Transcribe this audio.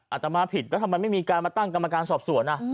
อาจจะมาผิดแล้วทำไมไม่มีการมาตั้งกรรมการสอบสวน